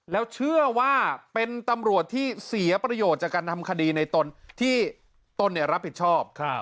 แล้วเชื่อว่าเป็นตำรวจที่เสียประโยชน์จากการทำคดีในตนที่ตนรับผิดชอบ